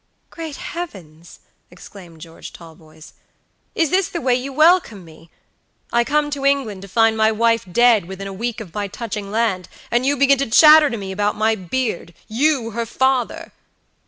"Great heavens!" exclaimed George Talboys, "is this the way you welcome me? I come to England to find my wife dead within a week of my touching land, and you begin to chatter to me about my beardyou, her father!"